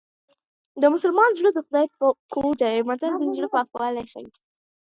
د مسلمان زړه د خدای کور دی متل د زړه پاکوالی ښيي